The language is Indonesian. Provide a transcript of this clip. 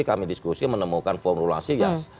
kami diskusi menemukan formulasi gas